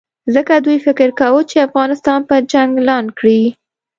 ځکه دوی فکر کاوه چې افغانستان به جنګ اعلان کړي.